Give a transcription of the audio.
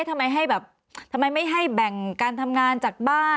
ทำไมไม่ให้แบ่งการทำงานจากบ้าน